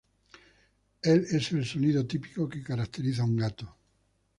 El es el sonido típico que caracteriza a un gato.